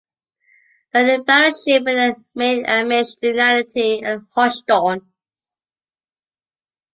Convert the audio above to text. They are in fellowship with the Maine Amish in Unity and Hodgdon.